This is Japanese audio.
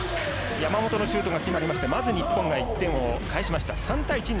山本のシュートが決まってまず日本が１点を返して３対１。